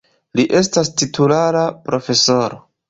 Li estas titulara profesoro.